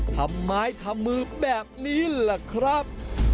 ทำไมถามือแบบนี้แหละครับ